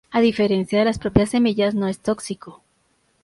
A diferencia de las propias semillas, no es tóxico.